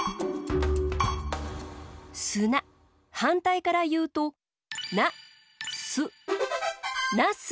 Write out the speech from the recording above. はんたいからいうと「なす」。